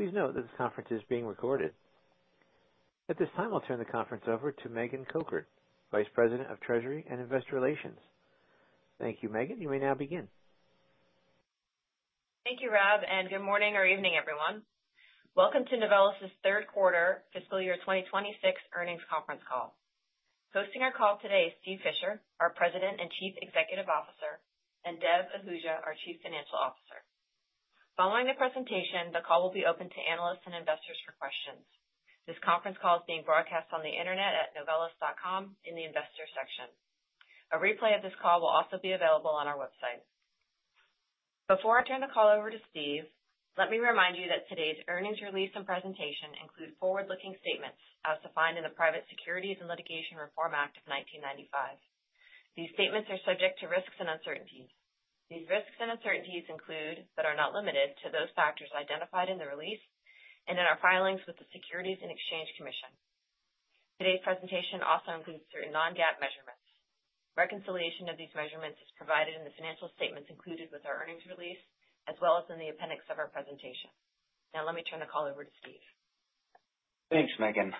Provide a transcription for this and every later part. Please note that this conference is being recorded. At this time, I'll turn the conference over to Megan Pathak, Vice President of Treasury and Investor Relations. Thank you, Megan. You may now begin. Thank you, Rob, and good morning or evening, everyone. Welcome to Novelis's third quarter fiscal year 2026 earnings conference call. Hosting our call today is Steve Fisher, our President and Chief Executive Officer, and Dev Ahuja, our Chief Financial Officer. Following the presentation, the call will be open to analysts and investors for questions. This conference call is being broadcast on the Internet at novelis.com in the Investors section. A replay of this call will also be available on our website. Before I turn the call over to Steve, let me remind you that today's earnings release and presentation include forward-looking statements as defined in the Private Securities Litigation Reform Act of 1995. These statements are subject to risks and uncertainties. These risks and uncertainties include, but are not limited to, those factors identified in the release and in our filings with the Securities and Exchange Commission. Today's presentation also includes certain non-GAAP measurements. Reconciliation of these measurements is provided in the financial statements included with our earnings release, as well as in the appendix of our presentation. Now, let me turn the call over to Steve. Thanks, Megan.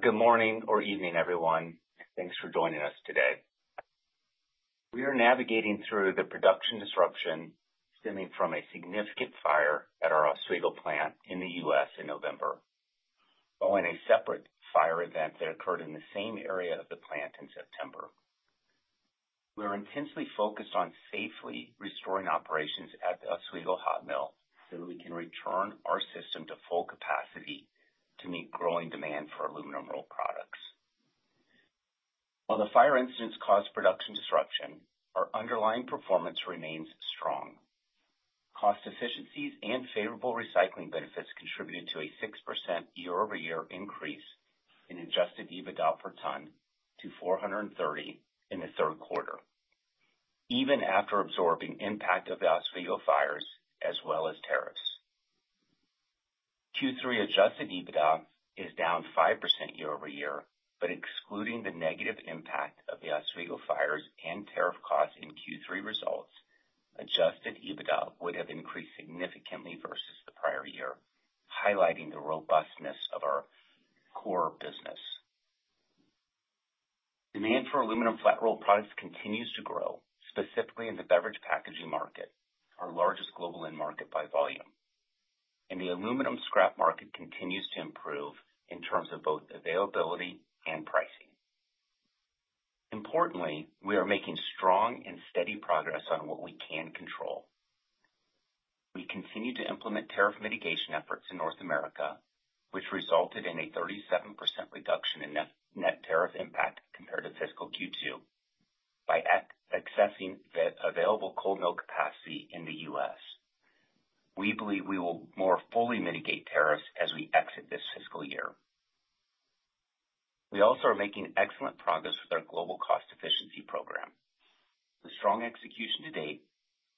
good morning or evening, everyone. Thanks for joining us today. We are navigating through the production disruption stemming from a significant fire at our Oswego plant in the U.S. in November, following a separate fire event that occurred in the same area of the plant in September. We are intensely focused on safely restoring operations at the Oswego hot mill, so we can return our system to full capacity to meet growing demand for aluminum roll products. While the fire incidents caused production disruption, our underlying performance remains strong. Cost efficiencies and favorable recycling benefits contributed to a 6% year-over-year increase in Adjusted EBITDA per tonne to $430 in the 3rd quarter, even after absorbing impact of the Oswego fires as well as tariffs. Q3 Adjusted EBITDA is down 5% year-over-year, but excluding the negative impact of the Oswego fires and tariff costs in Q3 results, Adjusted EBITDA would have increased significantly versus the prior year, highlighting the robustness of our core business. Demand for aluminum flat-rolled aluminum products continues to grow, specifically in the beverage packaging market, our largest global end market by volume, and the aluminum scrap market continues to improve in terms of both availability and pricing. Importantly, we are making strong and steady progress on what we can control. We continue to implement tariff mitigation efforts in North America, which resulted in a 37% reduction in net tariff impact compared to fiscal Q2 by accessing the available cold mill capacity in the U.S. We believe we will more fully mitigate tariffs as we exit this fiscal year. We also are making excellent progress with our global cost efficiency program. The strong execution to date,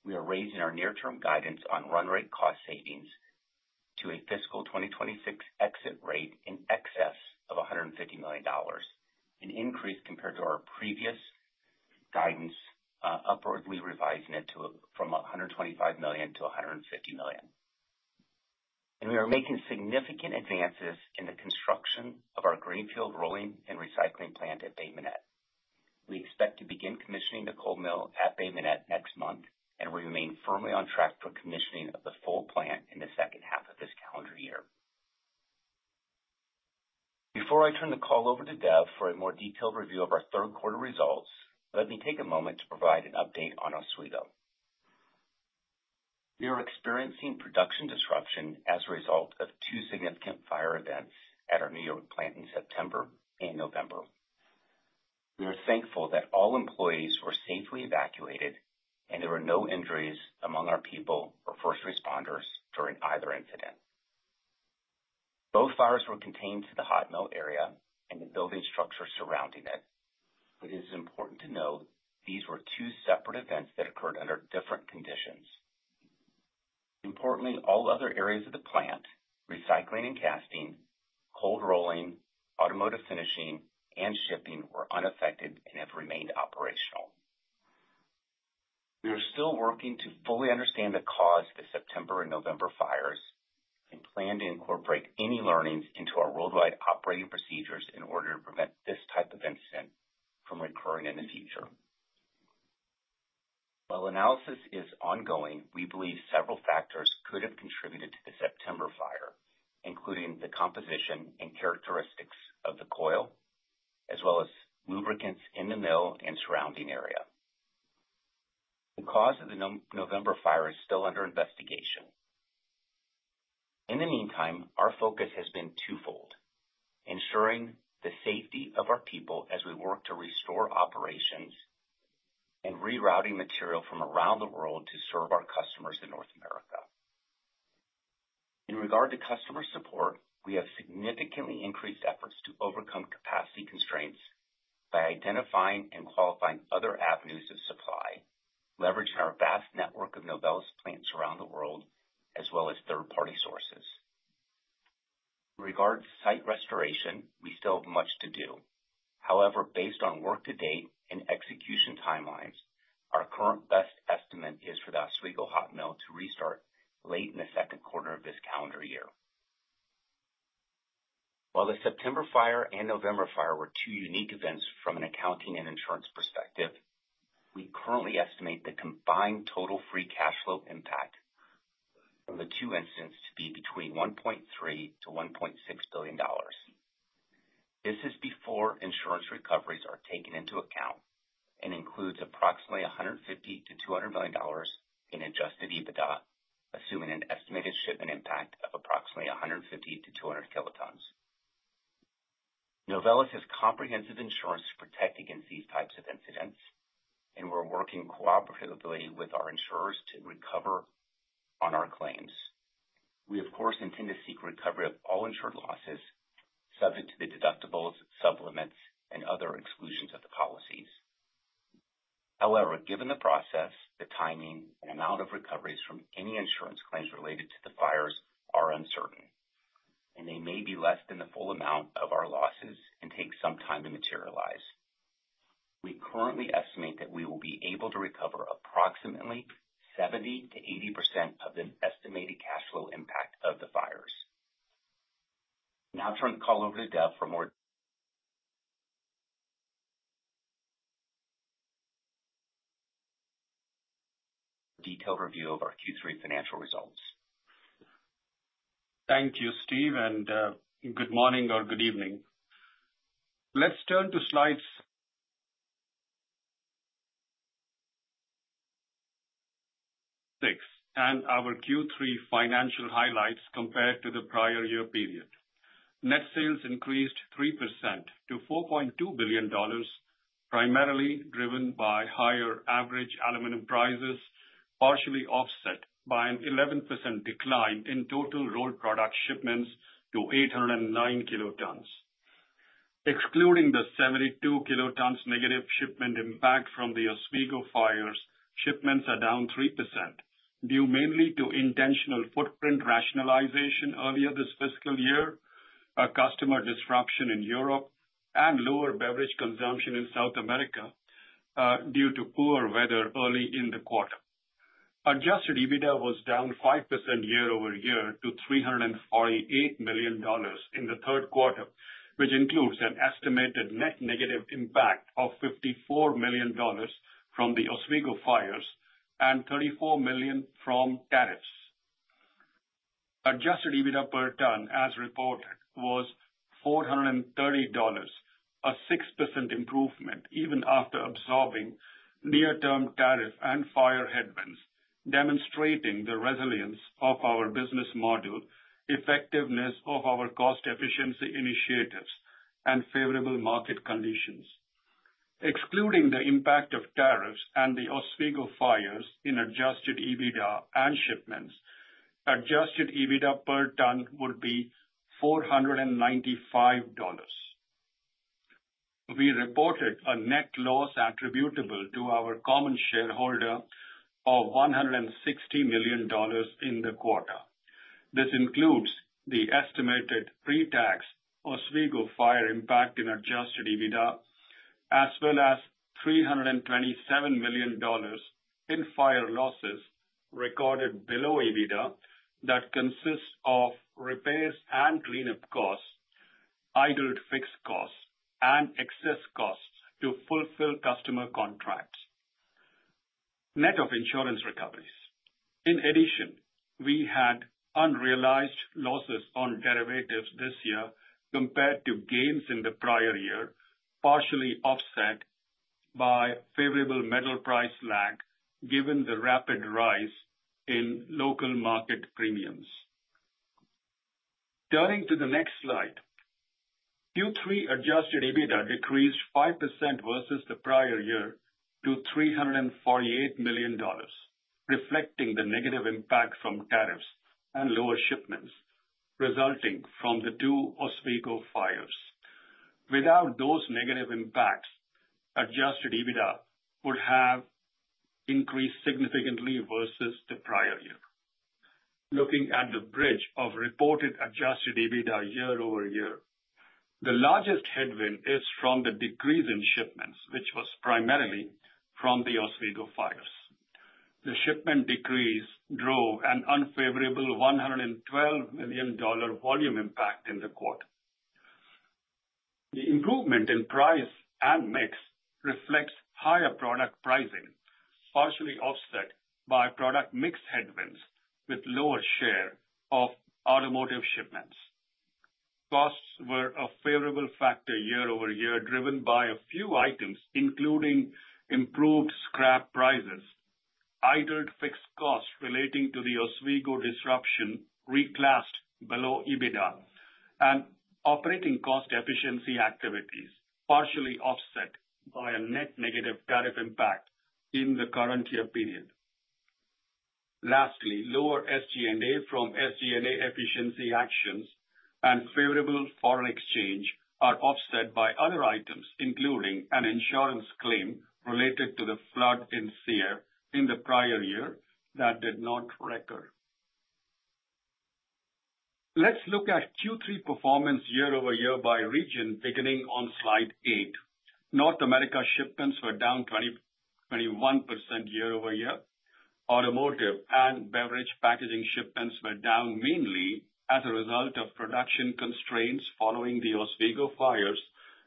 we are raising our near-term guidance on run rate cost savings to a fiscal 2026 exit rate in excess of $150 million, an increase compared to our previous guidance, upwardly revising it from $125 million-$150 million. We are making significant advances in the construction of our greenfield rolling and recycling plant at Bay Minette. We expect to begin commissioning the cold mill at Bay Minette next month, and we remain firmly on track for commissioning of the full plant in the second half of this calendar year. Before I turn the call over to Dev for a more detailed review of our third quarter results, let me take a moment to provide an update on Oswego. We are experiencing production disruption as a result of two significant fire events at our New York plant in September and November. We are thankful that all employees were safely evacuated, and there were no injuries among our people or first responders during either incident. Both fires were contained to the hot mill area and the building structure surrounding it. It is important to note these were two separate events that occurred under different conditions. Importantly, all other areas of the plant, recycling and casting, cold rolling, automotive finishing, and shipping, were unaffected and have remained operational. We are still working to fully understand the cause of the September and November fires and plan to incorporate any learnings into our worldwide operating procedures in order to prevent this type of incident from recurring in the future. While analysis is ongoing, we believe several factors could have contributed to the September fire, including the composition and characteristics of the coil, as well as lubricants in the mill and surrounding area. The cause of the November fire is still under investigation. In the meantime, our focus has been twofold: ensuring the safety of our people as we work to restore operations, and rerouting material from around the world to serve our customers in North America. In regard to customer support, we have significantly increased efforts to overcome capacity constraints by identifying and qualifying other avenues of supply, leveraging our vast network of Novelis plants around the world, as well as third-party sources. With regards to site restoration, we still have much to do. However, based on work to date and execution timelines, our current best estimate is for the Oswego hot mill to restart late in the second quarter of this calendar year. While the September fire and November fire were two unique events from an accounting and insurance perspective, we currently estimate the combined total free cash flow impact from the two incidents to be between $1.3 billion-$1.6 billion. This is before insurance recoveries are taken into account and includes approximately $150 million-$200 million in Adjusted EBITDA, assuming an estimated shipment impact of approximately 150-200 kilotonnes. Novelis has comprehensive insurance to protect against these types of incidents, and we're working cooperatively with our insurers to recover on our claims. We, of course, intend to seek recovery of all insured losses, subject to the deductibles, supplements, and other exclusions of the policies. However, given the process, the timing and amount of recoveries from any insurance claims related to the fires are uncertain, and they may be less than the full amount of our losses and take some time to materialize. We currently estimate that we will be able to recover approximately 70%-80% of the estimated cash flow impact of the fires. Now I turn the call over to Dev for more detailed review of our Q3 financial results. Thank you, Steve, good morning or good evening. Let's turn to slide six and our Q3 financial highlights compared to the prior year period. Net sales increased 3% to $4.2 billion, primarily driven by higher average aluminum prices, partially offset by an 11% decline in total rolled product shipments to 809 kilotonnes. Excluding the 72 kilotonnes negative shipment impact from the Oswego fires, shipments are down 3%, due mainly to intentional footprint rationalization earlier this fiscal year, a customer disruption in Europe, and lower beverage consumption in South America, due to poor weather early in the quarter. Adjusted EBITDA was down 5% year-over-year to $348 million in the third quarter, which includes an estimated net negative impact of $54 million from the Oswego fires and $34 million from tariffs. Adjusted EBITDA per tonne, as reported, was $430, a 6% improvement even after absorbing near-term tariff and fire headwinds, demonstrating the resilience of our business module, effectiveness of our cost efficiency initiatives, and favorable market conditions. Excluding the impact of tariffs and the Oswego fires in Adjusted EBITDA and shipments, Adjusted EBITDA per tonne would be $495. We reported a net loss attributable to our common shareholder of $160 million in the quarter. This includes the estimated pre-tax Oswego fire impact in Adjusted EBITDA, as well as $327 million in fire losses recorded below EBITDA that consists of repairs and cleanup costs, idled fixed costs, and excess costs to fulfill customer contracts, net of insurance recoveries. We had unrealized losses on derivatives this year compared to gains in the prior year, partially offset by favorable metal price lag, given the rapid rise in local market premiums. Turning to the next slide. Q3 Adjusted EBITDA decreased 5% versus the prior year to $348 million, reflecting the negative impact from tariffs and lower shipments resulting from the two Oswego fires. Without those negative impacts, Adjusted EBITDA would have increased significantly versus the prior year. Looking at the bridge of reported Adjusted EBITDA year-over-year, the largest headwind is from the decrease in shipments, which was primarily from the Oswego fires. The shipment decrease drove an unfavorable $112 million volume impact in the quarter. The improvement in price and mix reflects higher product pricing, partially offset by product mix headwinds, with lower share of automotive shipments. Costs were a favorable factor year-over-year, driven by a few items, including improved scrap prices, idled fixed costs relating to the Oswego disruption reclassed below EBITDA, and operating cost efficiency activities, partially offset by a net negative tariff impact in the current year period. Lower SG&A from SG&A efficiency actions and favorable foreign exchange are offset by other items, including an insurance claim related to the flood in Sierre in the prior year that did not recur. Let's look at Q3 performance year-over-year by region, beginning on slide eight. North America shipments were down 20%-21% year-over-year. Automotive and beverage packaging shipments were down mainly as a result of production constraints following the Oswego fires,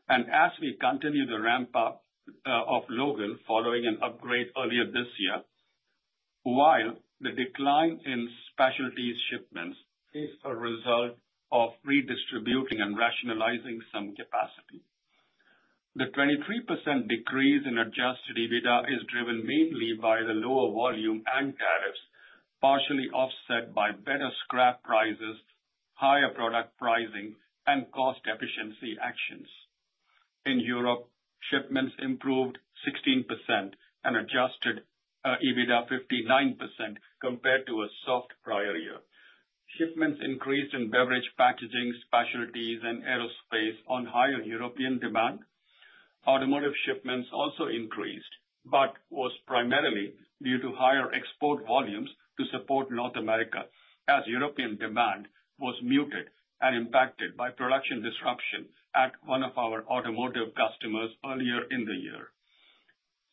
and as we continue the ramp up of Logan following an upgrade earlier this year, while the decline in specialties shipments is a result of redistributing and rationalizing some capacity. The 23% decrease in Adjusted EBITDA is driven mainly by the lower volume and tariffs, partially offset by better scrap prices, higher product pricing, and cost efficiency actions. In Europe, shipments improved 16% and Adjusted EBITDA 59% compared to a soft prior year. Shipments increased in beverage packaging, specialties, and aerospace on higher European demand. Automotive shipments also increased, was primarily due to higher export volumes to support North America, as European demand was muted and impacted by production disruption at one of our automotive customers earlier in the year.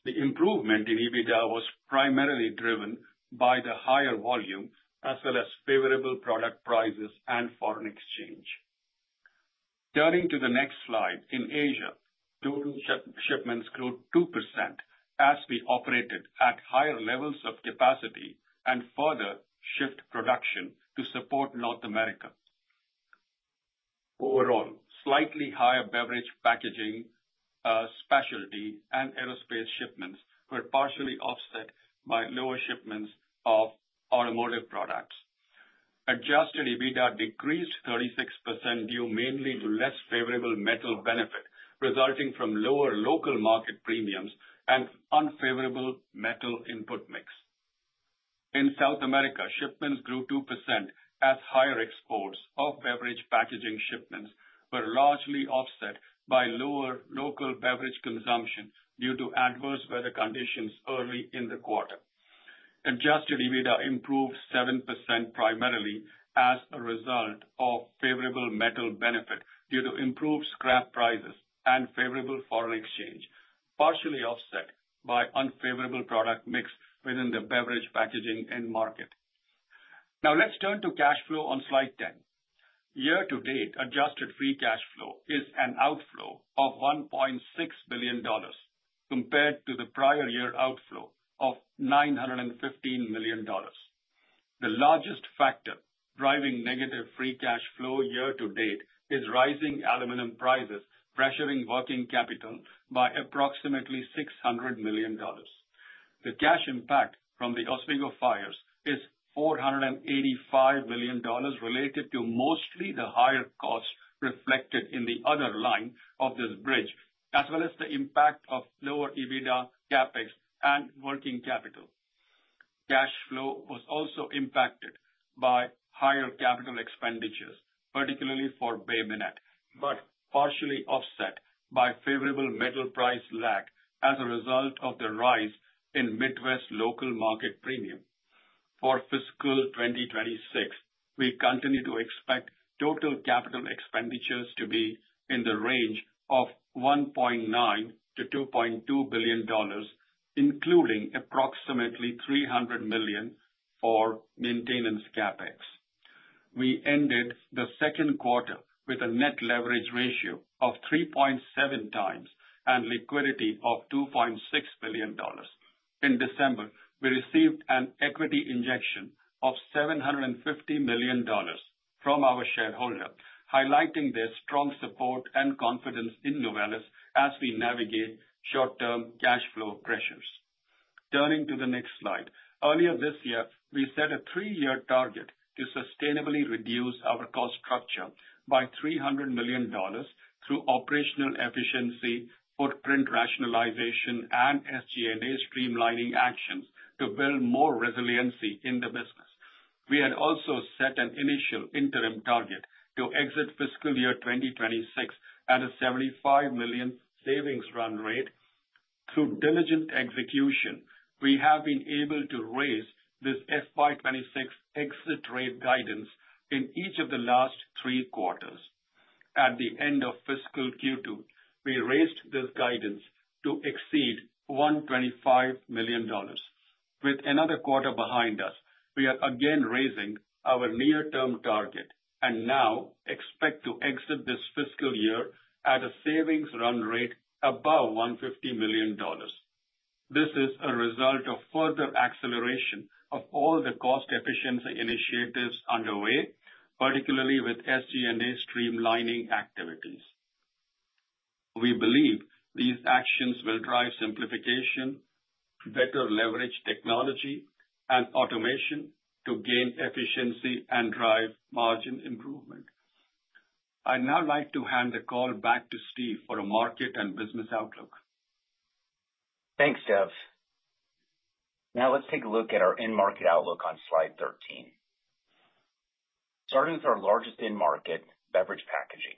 The improvement in EBITDA was primarily driven by the higher volume, as well as favorable product prices and foreign exchange. Turning to the next slide, in Asia, total shipments grew 2% as we operated at higher levels of capacity and further shift production to support North America. Overall, slightly higher beverage packaging, specialty, and aerospace shipments were partially offset by lower shipments of automotive products. Adjusted EBITDA decreased 36%, due mainly to less favorable metal benefit, resulting from lower local market premiums and unfavorable metal input mix. In South America, shipments grew 2%, as higher exports of beverage packaging shipments were largely offset by lower local beverage consumption due to adverse weather conditions early in the quarter. Adjusted EBITDA improved 7%, primarily as a result of favorable metal benefit due to improved scrap prices and favorable foreign exchange, partially offset by unfavorable product mix within the beverage packaging end market. Now, let's turn to cash flow on slide 10. Year to date, adjusted free cash flow is an outflow of $1.6 billion, compared to the prior year outflow of $915 million. The largest factor driving negative free cash flow year to date is rising aluminum prices, pressuring working capital by approximately $600 million. The cash impact from the Oswego fires is $485 million, related to mostly the higher costs reflected in the other line of this bridge, as well as the impact of lower EBITDA, CapEx, and working capital. Cash flow was also impacted by higher capital expenditures, particularly for Bay Minette, but partially offset by favorable metal price lag as a result of the rise in Midwest local market premium. For fiscal 2026, we continue to expect total capital expenditures to be in the range of $1.9 billion-$2.2 billion, including approximately $300 million for maintenance CapEx. We ended the second quarter with a net leverage ratio of 3.7x and liquidity of $2.6 billion. In December, we received an equity injection of $750 million from our shareholder, highlighting their strong support and confidence in Novelis as we navigate short-term cash flow pressures. Turning to the next slide. Earlier this year, we set a three-year target to sustainably reduce our cost structure by $300 million through operational efficiency, footprint rationalization, and SG&A streamlining actions to build more resiliency in the business. We had also set an initial interim target to exit fiscal year 2026 at a $75 million savings run rate. Through diligent execution, we have been able to raise this FY 2026 exit rate guidance in each of the last three quarters. At the end of fiscal Q2, we raised this guidance to exceed $125 million. With another quarter behind us, we are again raising our near-term target and now expect to exit this fiscal year at a savings run rate above $150 million. This is a result of further acceleration of all the cost efficiency initiatives underway, particularly with SG&A streamlining activities. We believe these actions will drive simplification, better leverage technology, and automation to gain efficiency and drive margin improvement. I'd now like to hand the call back to Steve for a market and business outlook. Thanks, Dev. Let's take a look at our end market outlook on slide 13. Starting with our largest end market, beverage packaging....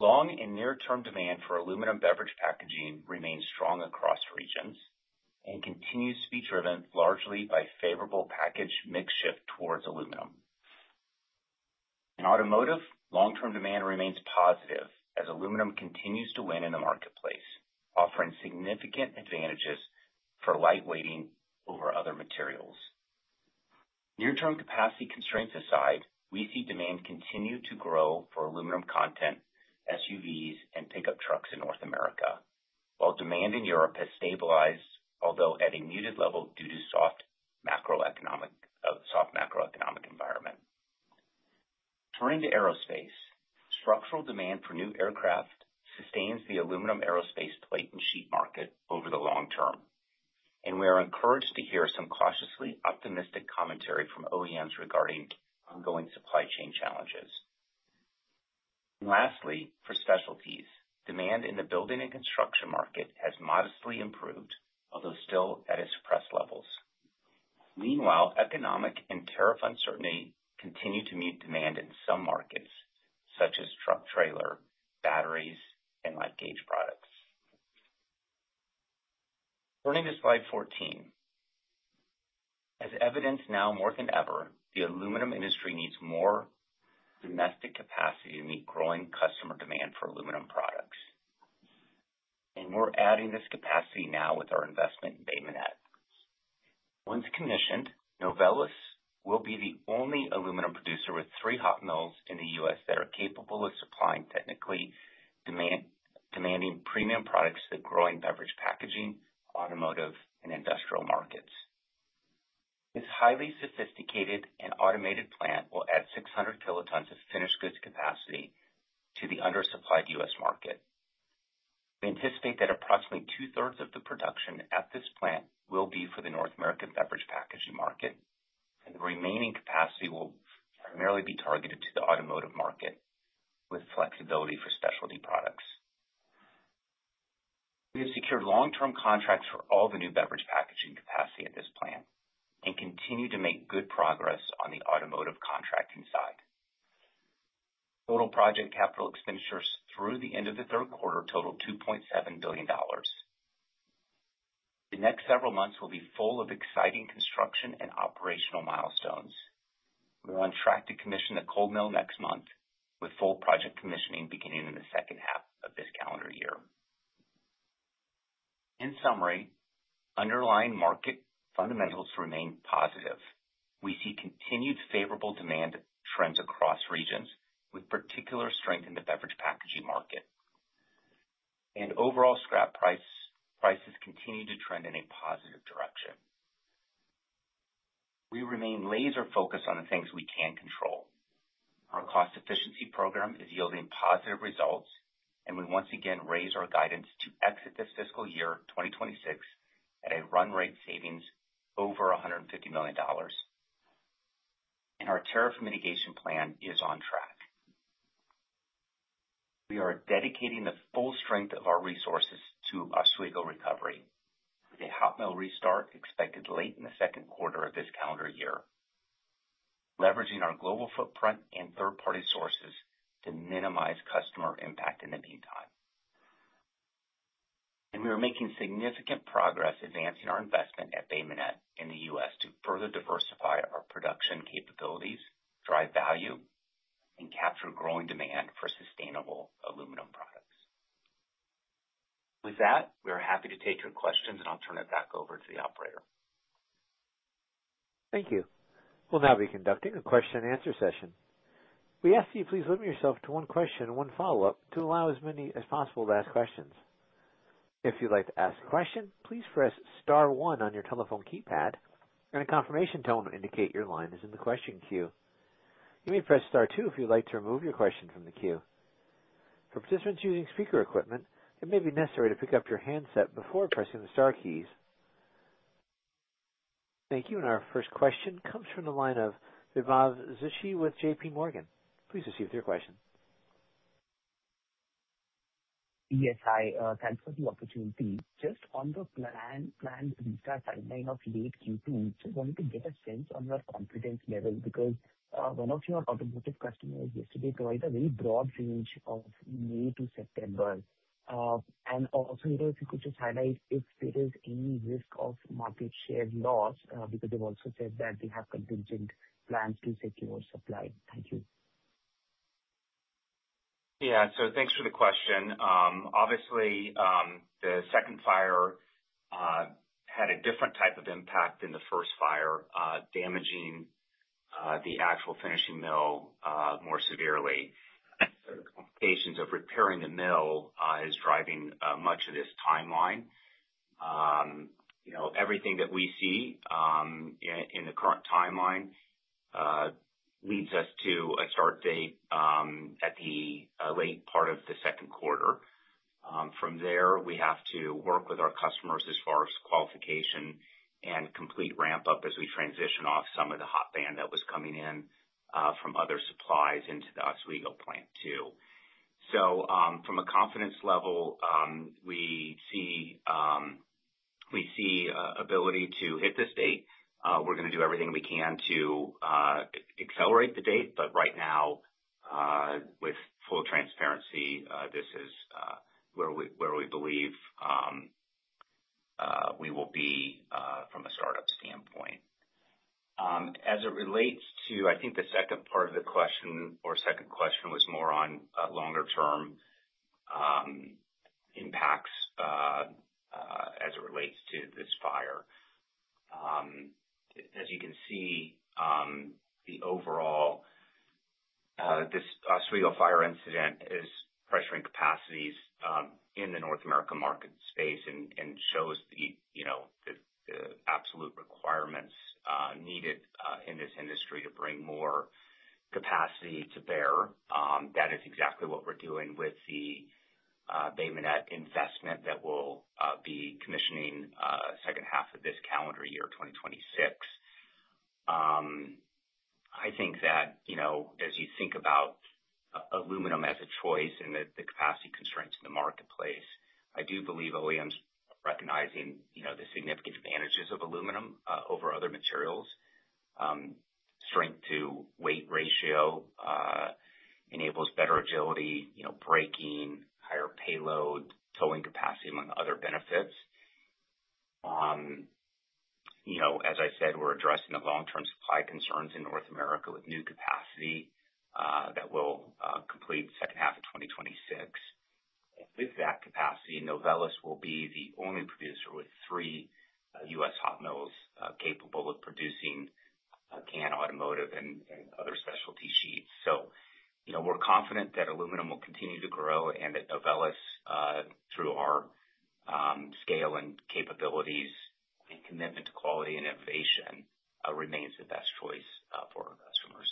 Long- and near-term demand for aluminum beverage packaging remains strong across regions and continues to be driven largely by favorable package mix shift towards aluminum. In automotive, long-term demand remains positive as aluminum continues to win in the marketplace, offering significant advantages for lightweighting over other materials. Near-term capacity constraints aside, we see demand continue to grow for aluminum content, SUVs, and pickup trucks in North America, while demand in Europe has stabilized, although at a muted level, due to soft macroeconomic environment. Turning to aerospace. Structural demand for new aircraft sustains the aluminum aerospace plate and sheet market over the long term, and we are encouraged to hear some cautiously optimistic commentary from OEMs regarding ongoing supply chain challenges. Lastly, for specialties, demand in the building and construction market has modestly improved, although still at its suppressed levels. Meanwhile, economic and tariff uncertainty continue to mute demand in some markets, such as truck trailer, batteries, and light gauge products. Turning to slide 14. We're adding this capacity now with our investment in Bay Minette. Once commissioned, Novelis will be the only aluminum producer with three hot mills in the U.S. that are capable of supplying technically demand-demanding premium products to the growing beverage, packaging, automotive, and industrial markets. This highly sophisticated and automated plant will add 600 kilotons of finished goods capacity to the undersupplied US market. We anticipate that approximately 2/3 of the production at this plant will be for the North American beverage packaging market, and the remaining capacity will primarily be targeted to the automotive market with flexibility for specialty products. We have secured long-term contracts for all the new beverage packaging capacity at this plant and continue to make good progress on the automotive contracting side. Total project capital expenditures through the end of the third quarter totaled $2.7 billion. The next several months will be full of exciting construction and operational milestones. We're on track to commission the cold mill next month, with full project commissioning beginning in the second half of this calendar year. In summary, underlying market fundamentals remain positive. We see continued favorable demand trends across regions, with particular strength in the beverage packaging market. Overall scrap prices continue to trend in a positive direction. We remain laser-focused on the things we can control. Our cost efficiency program is yielding positive results. We once again raise our guidance to exit this fiscal year, 2026, at a run rate savings over $150 million. Our tariff mitigation plan is on track. We are dedicating the full strength of our resources to Oswego recovery, with a hot mill restart expected late in the 2nd quarter of this calendar year, leveraging our global footprint and third-party sources to minimize customer impact in the meantime. We are making significant progress advancing our investment at Bay Minette in the U.S. to further diversify our production capabilities, drive value, and capture growing demand for sustainable aluminum products. With that, we are happy to take your questions. I'll turn it back over to the operator. Thank you. We'll now be conducting a question-and-answer session. We ask you please limit yourself to one question and one follow-up to allow as many as possible to ask questions. If you'd like to ask a question, please press star one on your telephone keypad, and a confirmation tone will indicate your line is in the question queue. You may press star two if you'd like to remove your question from the queue. For participants using speaker equipment, it may be necessary to pick up your handset before pressing the star keys. Thank you. Our first question comes from the line of Vibhav Tulsian with JPMorgan. Please proceed with your question. Yes, hi, thanks for the opportunity. Just on the plan, planned restart timeline of late Q2, just wanted to get a sense on your confidence level, because one of your automotive customers yesterday provided a very broad range of May to September. Also, if you could just highlight if there is any risk of market share loss, because they've also said that they have contingent plans to secure supply. Thank you. Yeah, thanks for the question. Obviously, the second fire had a different type of impact than the first fire, damaging the actual finishing mill more severely. The complications of repairing the mill is driving much of this timeline. You know, everything that we see in the current timeline leads us to a start date at the late part of the second quarter. From there, we have to work with our customers as far as qualification and complete ramp-up as we transition off some of the hot band that was coming in from other supplies into the Oswego plant, too. level, we see ability to hit this date. We're gonna do everything we can to accelerate the date, but right now, with full transparency, this is where we, where we believe, we will be from a startup standpoint. As it relates to, I think the second part of the question or second question was more on longer term impacts as it relates to this fire. As you can see, the overall this Oswego fire incident is pressuring capacities in the North America market space and shows the the absolute requirements needed in this industry to bring more capacity to bear. That is exactly what we're doing with the Bay Minette investment that will be commissioning second half of this calendar year, 2026. I think that, you know, as you think about aluminum as a choice and the capacity constraints in the marketplace, I do believe OEMs recognizing, you know, the significant advantages of aluminum over other materials. Strength to weight ratio enables better agility, you know, braking, higher payload, towing capacity, among other benefits. You know, as I said, we're addressing the long-term supply concerns in North America with new capacity that will complete second half of 2026. With that capacity, Novelis will be the only producer with three U.S. hot mills capable of producing can automotive and other specialty sheets. We're confident that aluminum will continue to grow and that Novelis through our scale and capabilities and commitment to quality and innovation remains the best choice for our customers.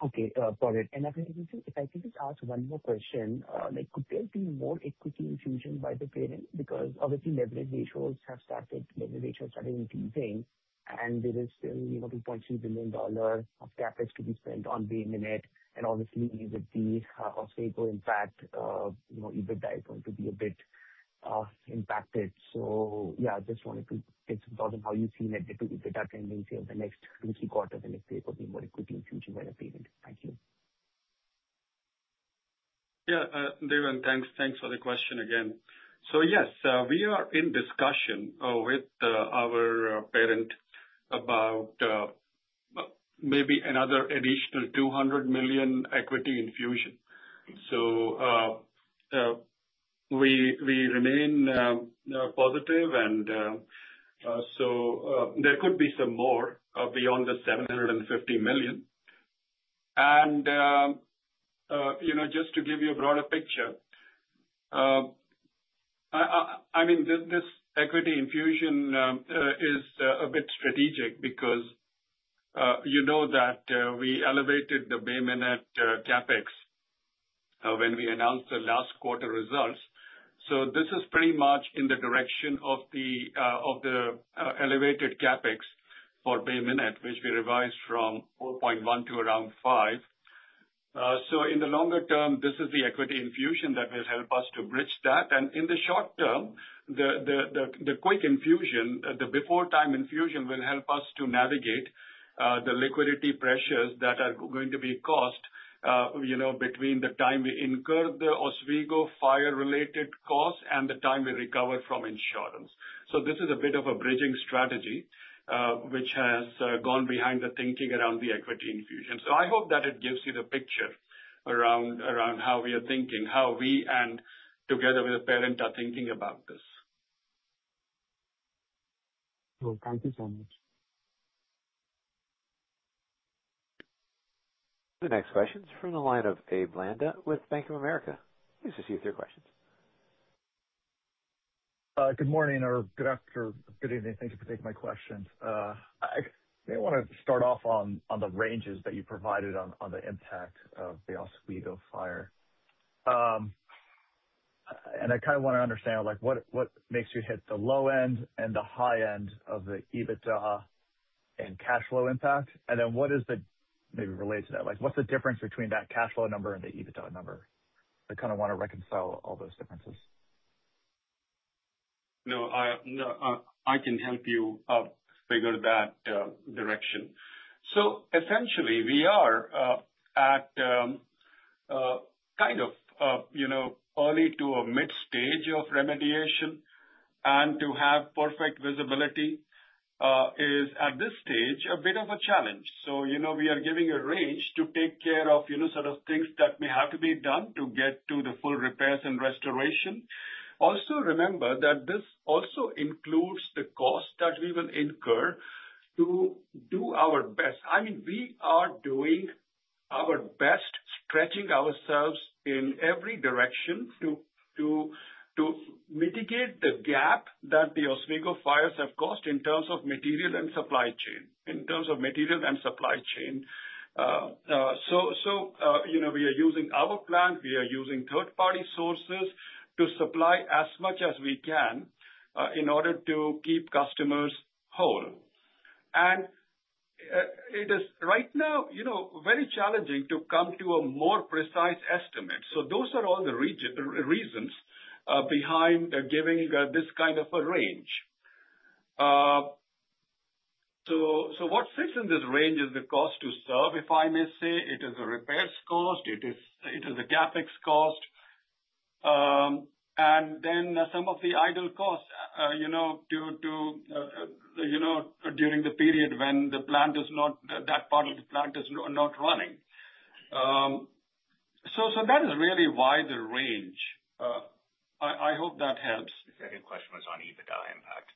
Okay, got it. If I could just ask one more question. Like, could there be more equity infusion by the parent? Because obviously, leverage ratios are starting to increase, and there is still, you know, $2.2 billion of CapEx to be spent on Bay Minette. Obviously, with the Oswego impact, you know, EBITDA is going to be a bit impacted. Yeah, I just wanted to get some thoughts on how you see net EBITDA tendency of the next two, three quarters, and if there will be more equity infusion by the parent. Thank you. Yeah, Vibhav, thanks. Thanks for the question again. Yes, we are in discussion with our parent about maybe another additional $200 million equity infusion. We remain positive, and there could be some more beyond the $750 million. You know, just to give you a broader picture, I mean, this equity infusion is a bit strategic because you know that we elevated the Bay Minette CapEx when we announced the last quarter results. This is pretty much in the direction of the elevated CapEx for Bay Minette, which we revised from $4.1 to around $5. In the longer term, this is the equity infusion that will help us to bridge that. In the short term, the quick infusion, the before time infusion, will help us to navigate the liquidity pressures that are going to be cost, you know, between the time we incur the Oswego fire-related costs and the time we recover from insurance. This is a bit of a bridging strategy, which has gone behind the thinking around the equity infusion. I hope that it gives you the picture around how we are thinking, how we and together with the parent, are thinking about this. Cool. Thank you so much. The next question is from the line of Abraham Landa with Bank of America. Please just give your questions. Good morning or good evening. Thank you for taking my questions. I may want to start off on the ranges that you provided on the impact of the Oswego fire. I kind of want to understand, like, what makes you hit the low end and the high end of the EBITDA and cash flow impact? What is the, maybe related to that, like, what's the difference between that cash flow number and the EBITDA number? I kind of want to reconcile all those differences. No, I, no, I can help you figure that direction. Essentially, we are at, kind of, you know, early to a mid stage of remediation. To have perfect visibility is, at this stage, a bit of a challenge. You know, we are giving a range to take care of, you know, sort of things that may have to be done to get to the full repairs and restoration. Also, remember that this also includes the cost that we will incur to do our best. I mean, we are doing our best, stretching ourselves in every direction to mitigate the gap that the Oswego fires have caused in terms of material and supply chain. you know, we are using our plant, we are using third-party sources to supply as much as we can, in order to keep customers whole. It is right now, you know, very challenging to come to a more precise estimate. Those are all the reasons behind giving this kind of a range. What sits in this range is the cost to serve, if I may say, it is a repairs cost, it is a CapEx cost, and then some of the idle costs, you know, due to, you know, during the period when that part of the plant is not running. That is really why the range, I hope that helps. The second question was on EBITDA impact.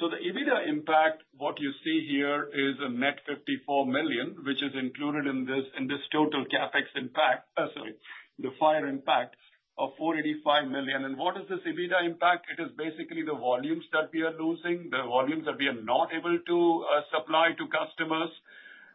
So the EBITDA impact, what you see here is a net $54 million, which is included in this total CapEx impact, sorry, the fire impact of $485 million. What is this EBITDA impact? It is basically the volumes that we are losing, the volumes that we are not able to supply to customers.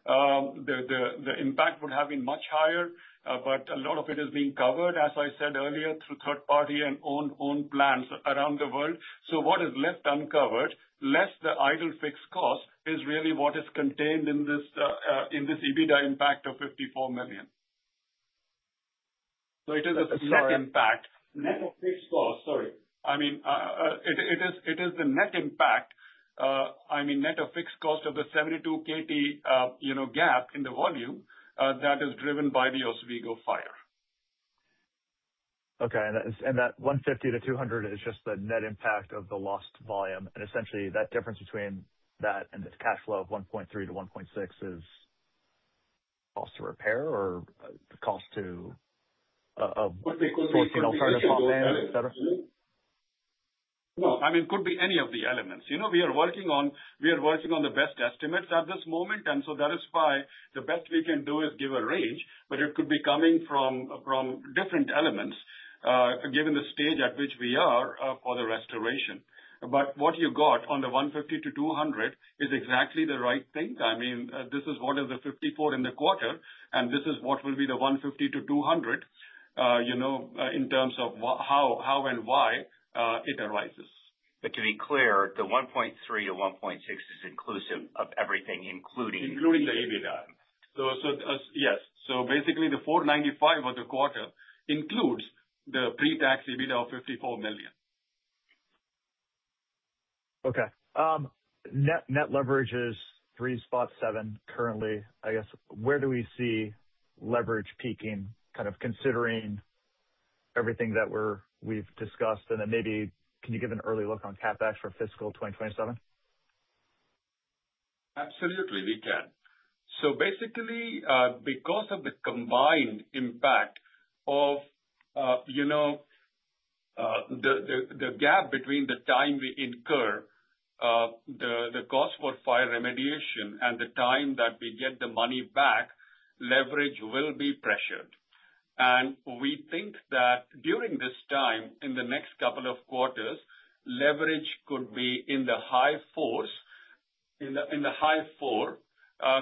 The impact would have been much higher, but a lot of it is being covered, as I said earlier, through third party and own plants around the world. What is left uncovered, less the idle fixed cost, is really what is contained in this EBITDA impact of $54 million. It is a net impact. Net of fixed cost, sorry. I mean, it is the net impact, I mean, net of fixed cost of the 72 KT, you know, gap in the volume, that is driven by the Oswego fire. Okay. That is that $150-$200 is just the net impact of the lost volume. Essentially, that difference between that and the cash flow of $1.3-$1.6 is cost to repair or the cost to. Could be- et cetera? Could be any of the elements. You know, we are working on the best estimates at this moment, that is why the best we can do is give a range, but it could be coming from different elements, given the stage at which we are for the restoration. What you got on the $150-$200 is exactly the right thing. I mean, this is what is the $54 in the quarter, this is what will be the $150-$200, you know, in terms of what, how and why it arises. To be clear, the 1.3-1.6 is inclusive of everything, including. Including the EBITDA. Yes. Basically, the $495 million of the quarter includes the pre-tax EBITDA of $54 million. net leverage is 3.7 currently. I guess, where do we see leverage peaking, kind of considering everything that we've discussed, and then maybe can you give an early look on CapEx for fiscal 2027? Absolutely, we can. Basically, because of the combined impact of, you know, the gap between the time we incur the cost for fire remediation and the time that we get the money back, leverage will be pressured. We think that during this time, in the next couple of quarters, leverage could be in the high four,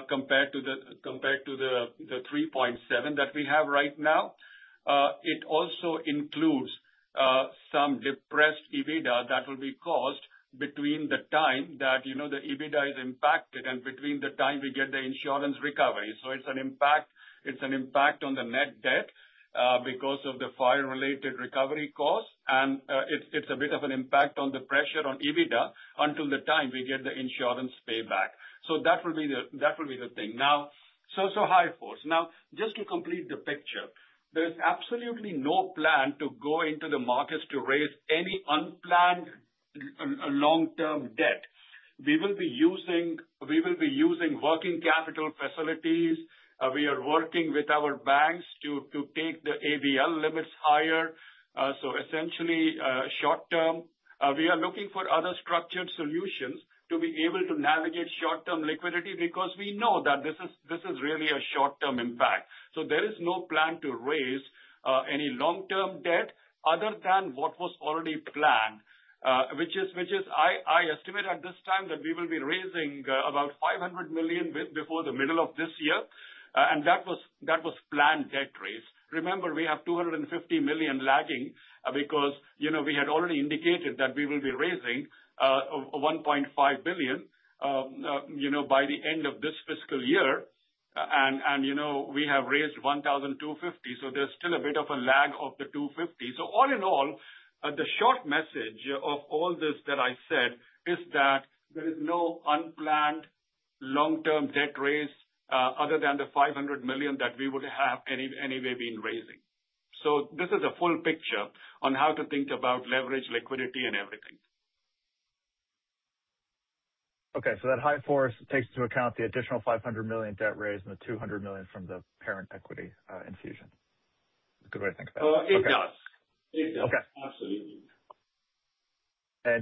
compared to the 3.7 that we have right now. It also includes some depressed EBITDA that will be caused between the time that, you know, the EBITDA is impacted and between the time we get the insurance recovery. It's an impact, it's an impact on the net debt because of the fire-related recovery costs, and it's a bit of an impact on the pressure on EBITDA until the time we get the insurance payback. That will be the thing. High fours. Just to complete the picture, there is absolutely no plan to go into the markets to raise any unplanned long-term debt. We will be using working capital facilities. We are working with our banks to take the ABL limits higher. Essentially, short term. We are looking for other structured solutions to be able to navigate short-term liquidity because we know that this is really a short-term impact. There is no plan to raise any long-term debt other than what was already planned, which is I estimate at this time that we will be raising about $500 million before the middle of this year, and that was planned debt raise. Remember, we have $250 million lagging, because, you know, we had already indicated that we will be raising $1.5 billion, you know, by the end of this fiscal year. You know, we have raised $1,250, so there's still a bit of a lag of the $250. All in all, the short message of all this that I said is that there is no unplanned long-term debt raise, other than the $500 million that we would have anyway been raising. This is a full picture on how to think about leverage, liquidity, and everything. Okay, that high fours takes into account the additional $500 million debt raise and the $200 million from the parent equity infusion. Good way to think about it? It does. Okay. It does. Okay. Absolutely.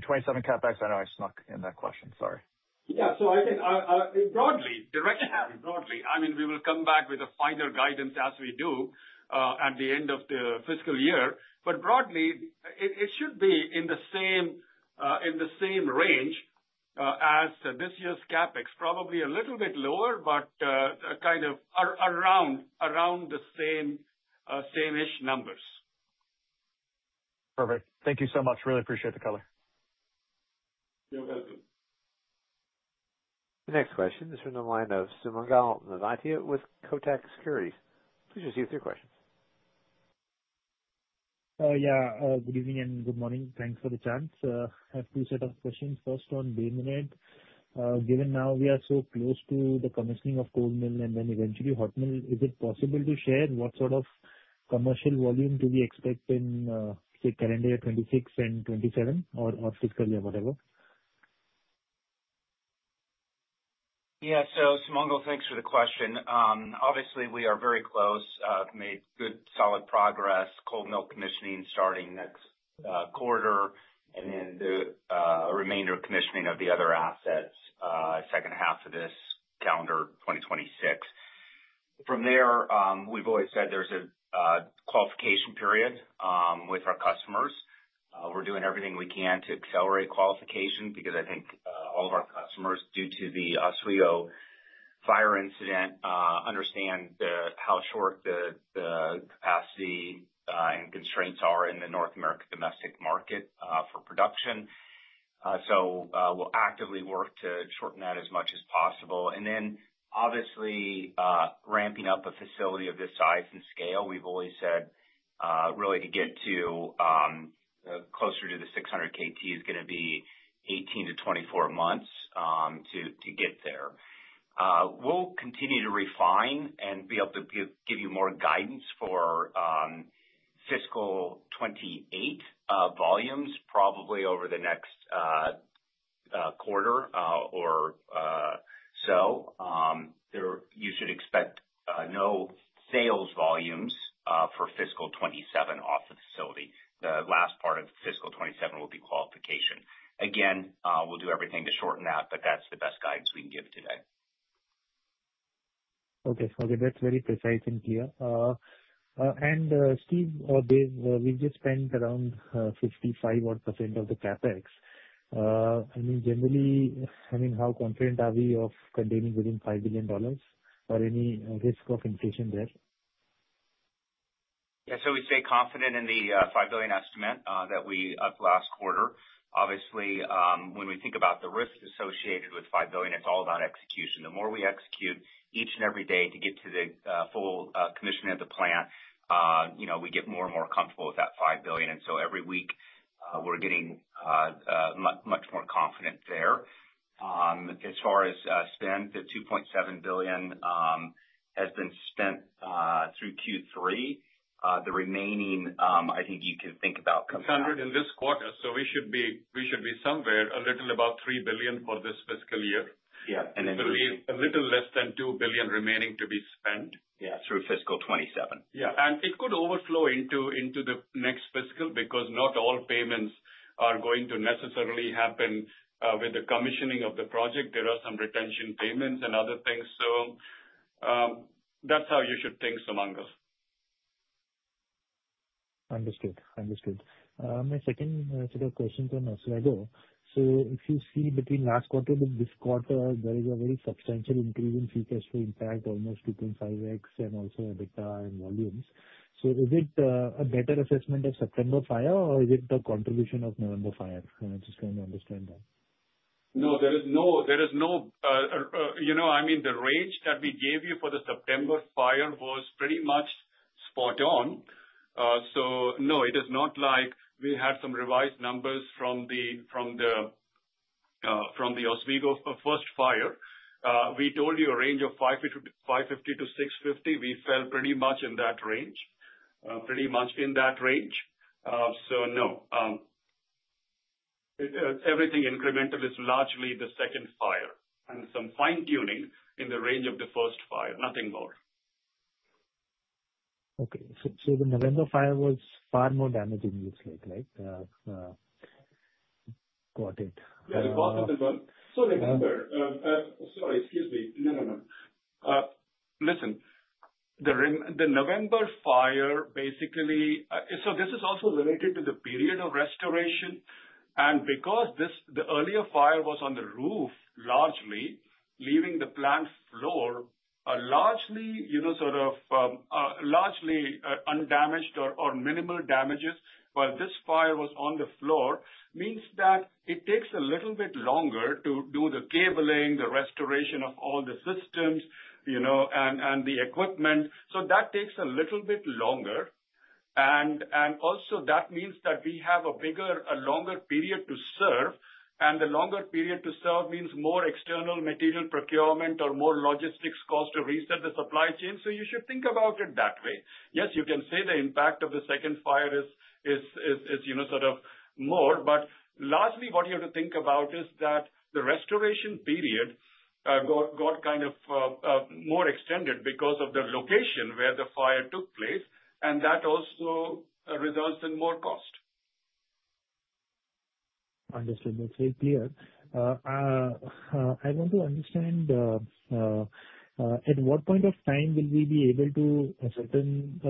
27 CapEx, I know I snuck in that question, sorry. I think, broadly, directly, broadly, I mean, we will come back with a final guidance as we do at the end of the fiscal year. Broadly, it should be in the same range as this year's CapEx. Probably a little bit lower, but kind of around the same same-ish numbers. Perfect. Thank you so much. Really appreciate the color. You're welcome. The next question is from the line of Sumangal Nevatia with Kotak Securities. Please just give your questions. Good evening and good morning. Thanks for the chance. I have two set of questions. First, on Bay Minette. Given now we are so close to the commissioning of cold mill and then eventually hot mill, is it possible to share what sort of commercial volume do we expect in, say, current year 2026 and 2027, or fiscally or whatever? Sumangal, thanks for the question. Obviously, we are very close. We've made good, solid progress. cold mill commissioning starting next quarter, and then the remainder of commissioning of the other assets, second half of this calendar 2026. From there, we've always said there's a qualification period with our customers. We're doing everything we can to accelerate qualification because I think all of our customers, due to the Oswego fire incident, understand how short the capacity and constraints are in the North America domestic market for production. So we'll actively work to shorten that as much as possible. Then, obviously, ramping up a facility of this size and scale, we've always said, really to get to closer to the 600 KT is gonna be 18-24 months to get there. We'll continue to refine and be able to give you more guidance for fiscal 2028 volumes, probably over the next quarter or so. There, you should expect no sales volumes for fiscal 2027 off the facility. The last part of fiscal 2027 will be qualification. Again, we'll do everything to shorten that, but that's the best guidance we can give today. Okay. Okay, that's very precise and clear. Steve, Dev, we've just spent around 55 odd % of the CapEx. I mean, generally, I mean, how confident are we of containing within $5 billion, or any risk of inflation there? Yeah, so we stay confident in the $5 billion estimate that we upped last quarter. Obviously, when we think about the risks associated with $5 billion, it's all about execution. The more we execute each and every day to get to the full commissioning of the plant, you know, we get more and more comfortable with that $5 billion. Every week, we're getting much more confident there. As far as spend, the $2.7 billion has been spent through Q3. The remaining, I think you can think about. $100 in this quarter, we should be somewhere a little about $3 billion for this fiscal year. Yeah. A little less than $2 billion remaining to be spent. Yeah, through fiscal 2027. Yeah. It could overflow into the next fiscal, because not all payments are going to necessarily happen with the commissioning of the project. There are some retention payments and other things. That's how you should think, Sumangal. Understood. Understood. My second set of questions on Oswego. If you see between last quarter to this quarter, there is a very substantial increase in free cash flow impact, almost 2.5x, and also EBITDA and volumes. Is it a better assessment of September fire, or is it the contribution of November fire? I just want to understand that. No, there is no, you know, I mean, the range that we gave you for the September fire was pretty much spot on. No, it is not like we had some revised numbers from the, from the, from the Oswego first fire. We told you a range of $550-$650. We fell pretty much in that range. No, everything incremental is largely the second fire and some fine-tuning in the range of the first fire, nothing more. Okay. The November fire was far more damaging, it looks like, right? Got it. Yeah. Remember, Sorry, excuse me. No, no. Listen, the November fire, basically, this is also related to the period of restoration, and because this, the earlier fire was on the roof, largely, leaving the plant floor, largely, you know, sort of, largely, undamaged or minimal damages. While this fire was on the floor, means that it takes a little bit longer to do the cabling, the restoration of all the systems, you know, and the equipment. That takes a little bit longer. Also that means that we have a bigger, a longer period to serve, and a longer period to serve means more external material procurement or more logistics cost to reset the supply chain. You should think about it that way. Yes, you can say the impact of the second fire is, you know, sort of more. Largely what you have to think about is that the restoration period got kind of more extended because of the location where the fire took place, and that also results in more cost. Understood. That's very clear. I want to understand at what point of time will we be able to ascertain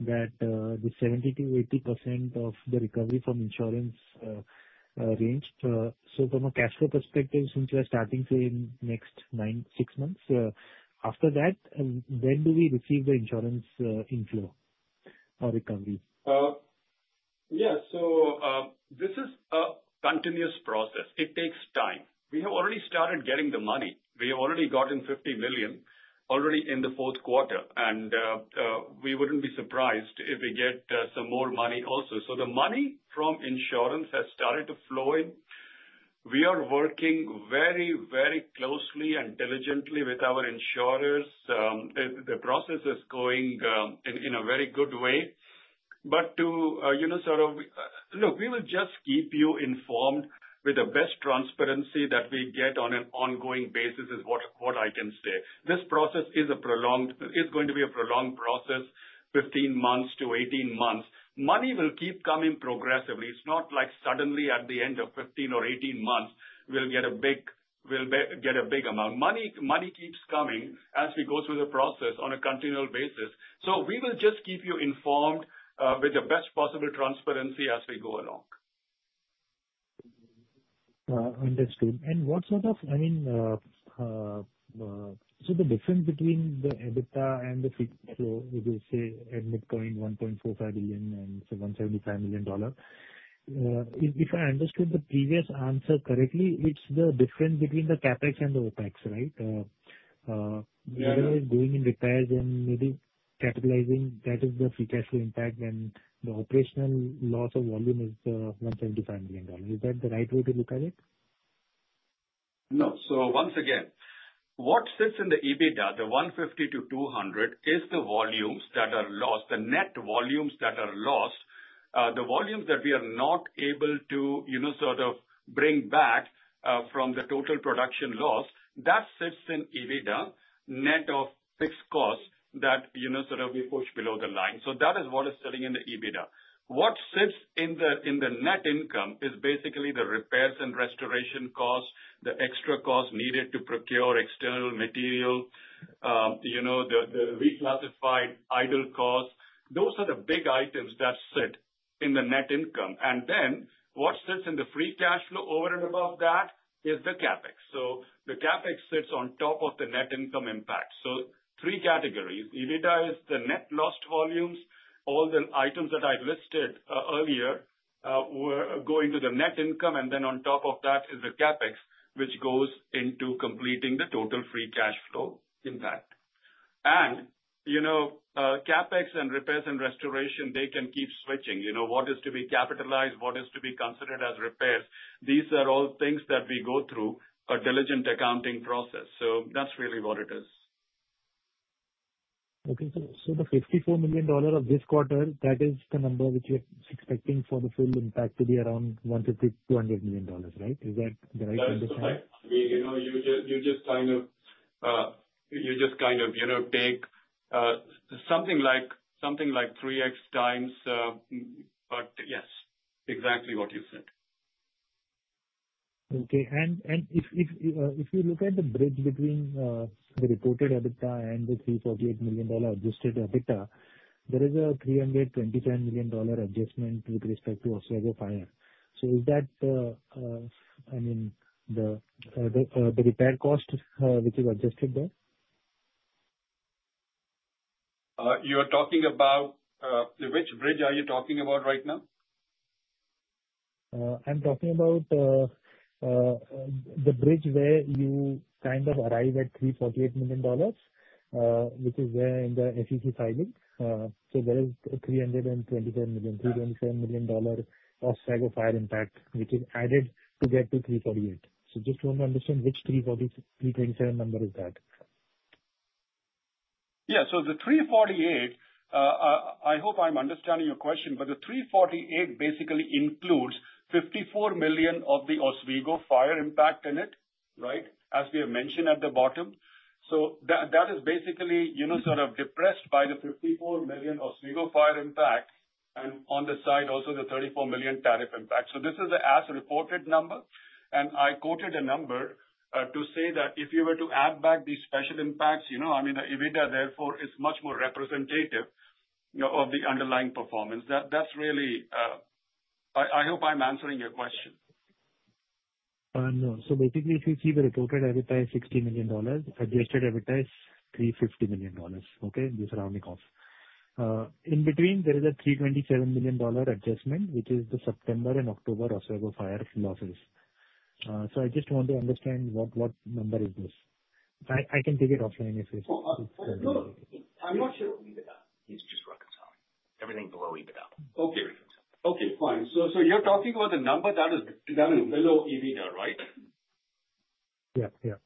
that the 70%-80% of the recovery from insurance range? From a cash flow perspective, since we're starting, say, in next six months, after that, when do we receive the insurance inflow or recovery? Yeah, this is a continuous process. It takes time. We have already started getting the money. We have already gotten $50 million already in the fourth quarter, we wouldn't be surprised if we get some more money also. The money from insurance has started to flow in. We are working very, very closely and diligently with our insurers. The process is going in a very good way. To, you know, sort of, we will just keep you informed with the best transparency that we get on an ongoing basis, is what I can say. This process is going to be a prolonged process, 15 months-18 months. Money will keep coming progressively. It's not like suddenly at the end of 15 or 18 months, we'll get a big amount. Money keeps coming as we go through the process on a continual basis. We will just keep you informed with the best possible transparency as we go along. Understood. What sort of, I mean, so the difference between the EBITDA and the free cash flow, if you say EBITDA in $1.45 billion and so $175 million, if I understood the previous answer correctly, it's the difference between the CapEx and the OpEx, right? Yeah. Whether it's going in repairs and maybe capitalizing, that is the free cash flow impact. The operational loss of volume is $175 million. Is that the right way to look at it? No. Once again, what sits in the EBITDA, the $150-$200, is the volumes that are lost, the net volumes that are lost, the volumes that we are not able to, you know, sort of bring back from the total production loss. That sits in EBITDA, net of fixed costs that, you know, sort of we push below the line. That is what is sitting in the EBITDA. What sits in the, in the net income is basically the repairs and restoration costs, the extra costs needed to procure external material, you know, the reclassified idle costs. Those are the big items that sit in the net income. Then what sits in the free cash flow over and above that is the CapEx. The CapEx sits on top of the net income impact. Three categories: EBITDA is the net lost volumes. All the items that I've listed, earlier, were going to the net income, and then on top of that is the CapEx, which goes into completing the total adjusted free cash flow impact. You know, CapEx and repairs and restoration, they can keep switching, you know, what is to be capitalized, what is to be considered as repairs. These are all things that we go through a diligent accounting process. That's really what it is. The $54 million of this quarter, that is the number which you're expecting for the full impact to be around $100 million-$200 million, right? Is that the right understanding? That is right. You know, you just kind of, you know, take something like 3x times. Yes, exactly what you said. Okay. If you look at the bridge between the reported EBITDA and the $348 million Adjusted EBITDA, there is a $327 million adjustment with respect to Oswego Fire. Is that, I mean, the repair cost, which is adjusted there? You are talking about which bridge are you talking about right now? I'm talking about the bridge where you kind of arrive at $348 million, which is there in the SEC filing. There is $327 million Oswego Fire impact, which is added to get to $348. Just want to understand which $327 number is that? Yeah. The 348, I hope I'm understanding your question, but the 348 basically includes $54 million of the Oswego Fire impact in it, right? As we have mentioned at the bottom. That is basically, you know, sort of depressed by the $54 million Oswego Fire impact, and on the side also, the $34 million tariff impact. This is the as-reported number, and I quoted a number to say that if you were to add back these special impacts, you know, I mean, the EBITDA, therefore, is much more representative, you know, of the underlying performance. That's really. I hope I'm answering your question. No. Basically, if you see the reported EBITDA is $60 million, Adjusted EBITDA is $350 million, okay? The surrounding costs. In between, there is a $327 million adjustment, which is the September and October Oswego Fire losses. I just want to understand what number is this? I can take it offline if it's. Oh, no. I'm not sure. He's just reconciling. Everything below EBITDA. Okay. Okay, fine. You're talking about the number that is below Adjusted EBITDA, right? Yeah. Yeah.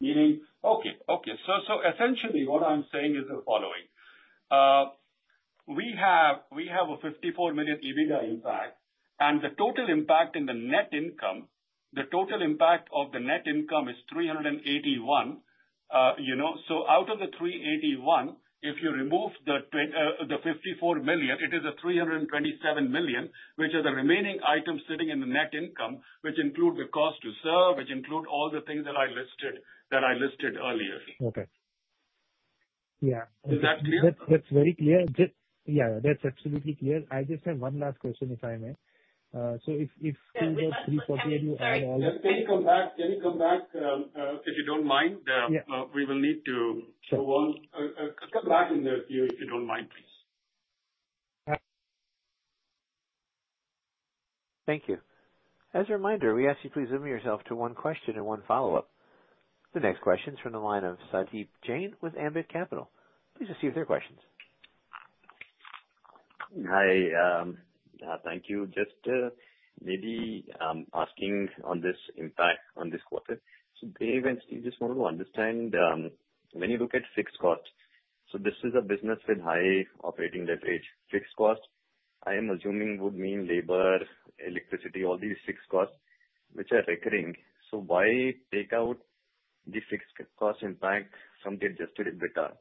Meaning. Okay. Essentially, what I'm saying is the following: we have a $54 million EBITDA impact, and the total impact of the net income is $381 million. You know, out of the $381 million, if you remove the $54 million, it is a $327 million, which are the remaining items sitting in the net income, which include the cost to serve, which include all the things that I listed earlier. Okay. Yeah. Is that clear? That's very clear. Yeah, that's absolutely clear. I just have one last question, if I may. if 348- Can you come back, if you don't mind. Yeah. We will need. Sure. Come back in the queue, if you don't mind, please. Uh-... Thank you. As a reminder, we ask you to please limit yourself to one question and one follow-up. The next question is from the line of Satyadeep Jain with Ambit Capital. Please proceed with your questions. Hi, thank you. Just, maybe, asking on this impact on this quarter. Dave and Steve, just want to understand, when you look at fixed costs, so this is a business with high operating leverage. Fixed costs, I am assuming, would mean labor, electricity, all these fixed costs, which are recurring. Why take out the fixed costs impact from the Adjusted EBITDA?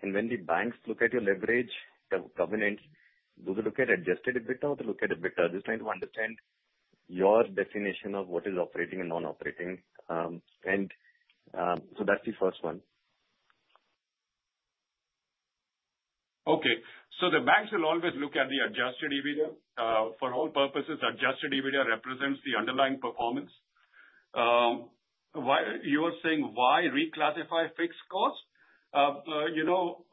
When the banks look at your leverage, the covenant, do they look at Adjusted EBITDA, or they look at EBITDA? Just trying to understand your definition of what is operating and non-operating. That's the first one. The banks will always look at the adjusted EBITDA. For all purposes, adjusted EBITDA represents the underlying performance. You are saying why reclassify fixed costs? you know,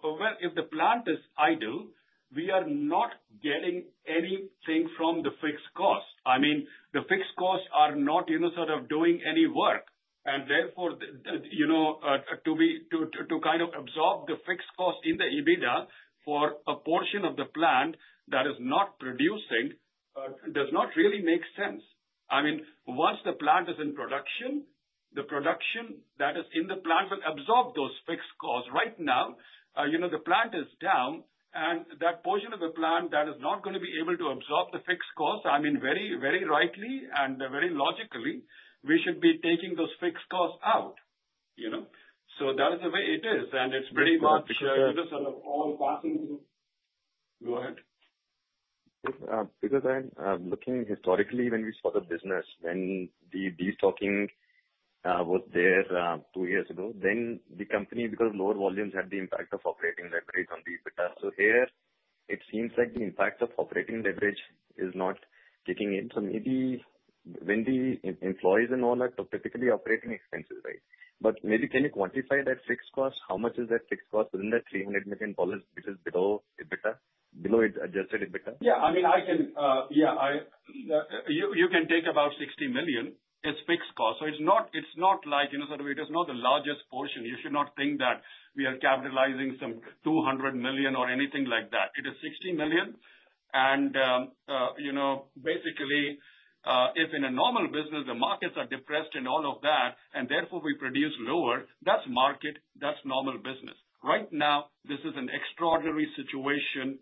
If the plant is idle, we are not getting anything from the fixed costs. I mean, the fixed costs are not, you know, sort of doing any work, and therefore, the, you know, to kind of absorb the fixed cost in the EBITDA for a portion of the plant that is not producing, does not really make sense. I mean, once the plant is in production, the production that is in the plant will absorb those fixed costs. Right now, you know, the plant is down, and that portion of the plant that is not going to be able to absorb the fixed costs, I mean, very, very rightly and very logically, we should be taking those fixed costs out, you know? That is the way it is, and it's very much, you know, sort of all passing. Go ahead. I'm looking historically when we saw the business, when the destocking was there, two years ago, then the company, because lower volumes, had the impact of operating leverage on the EBITDA. Here it seems like the impact of operating leverage is not kicking in. Maybe when the employees and all that are typically operating expenses, right? Maybe can you quantify that fixed cost? How much is that fixed cost within the $300 million, which is below EBITDA, below its adjusted EBITDA? Yeah. I mean, I can. You can take about $60 million as fixed cost. It's not like, you know, it is not the largest portion. You should not think that we are capitalizing some $200 million or anything like that. It is $60 million. If in a normal business, the markets are depressed and all of that, and therefore we produce lower, that's normal business. Right now, this is an extraordinary situation,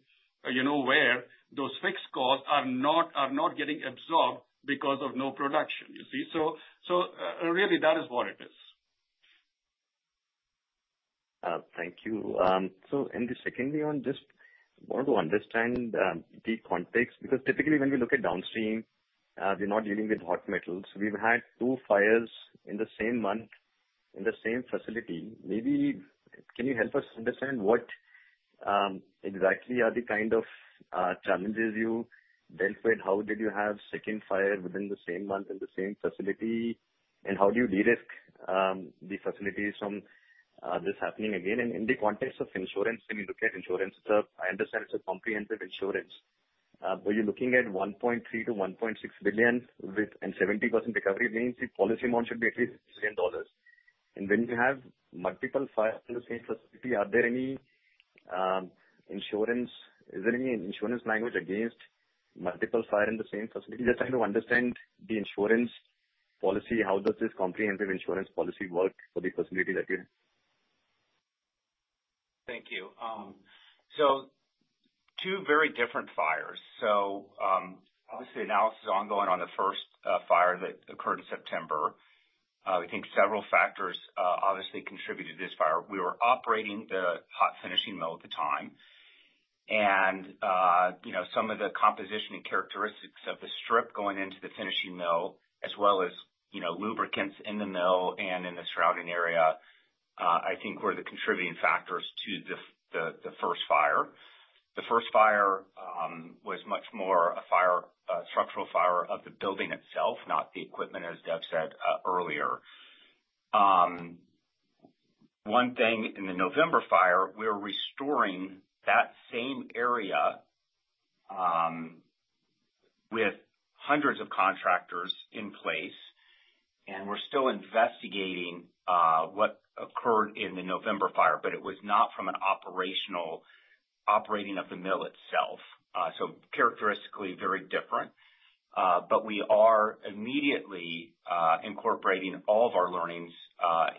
you know, where those fixed costs are not getting absorbed because of no production, you see. That is what it is. Thank you. Secondly, on just want to understand the context, because typically when we look at downstream, we're not dealing with hot metals. We've had two fires in the same month in the same facility. Maybe can you help us understand what exactly are the kind of challenges you dealt with? How did you have second fire within the same month in the same facility? How do you de-risk the facilities from this happening again? In the context of insurance, when you look at insurance, I understand it's a comprehensive insurance, but you're looking at $1.3 billion-$1.6 billion with, and 70% recovery means the policy amount should be at least $10 billion. When you have multiple fires in the same facility, are there any insurance? Is there any insurance language against multiple fire in the same facility? Just trying to understand the insurance policy. How does this comprehensive insurance policy work for the facility that you have? Thank you. Two very different fires. Obviously, analysis is ongoing on the first fire that occurred in September. We think several factors obviously contributed to this fire. We were operating the hot finishing mill at the time, and, you know, some of the composition and characteristics of the strip going into the finishing mill, as well as, you know, lubricants in the mill and in the shrouding area, I think were the contributing factors to the first fire. The first fire was much more a fire, a structural fire of the building itself, not the equipment, as Dev said, earlier. One thing in the November fire, we were restoring that same area, with hundreds of contractors in place, and we're still investigating what occurred in the November fire, but it was not from an operational operating of the mill itself. Characteristically, very different. We are immediately incorporating all of our learnings